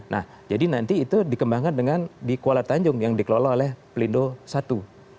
nah jadi nanti itu dikembangkan dengan di kuala tanjung yang dikelola oleh pelindo i